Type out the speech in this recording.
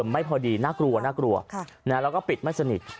ไม่พอดีน่ากลัวแล้วก็ปิดไม่สนิท